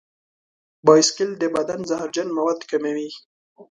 بایسکل د بدن زهرجن مواد کموي.